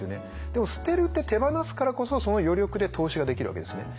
でも捨てるって手放すからこそその余力で投資ができるわけですね。